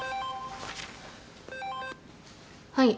はい。